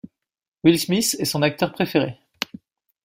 Will Smith est son acteur préféré.